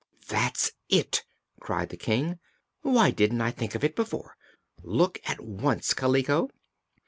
"That's it!" cried the King. "Why didn't I think of it before? Look at once, Kaliko!"